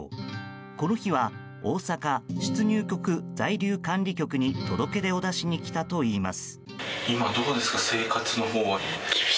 この日は大阪出入国在留管理局に届け出を出しに来たといいます。